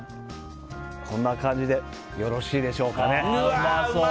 こんな感じでよろしいでしょうかね。